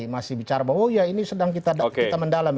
masih bicara bahwa ini sedang kita mendalam